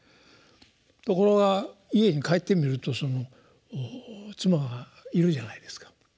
ところが家に帰ってみるとその妻がいるじゃないですか。